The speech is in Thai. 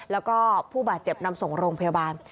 แล้วก็ผู้บาดเจ็บนำส่งโรงพยาบาล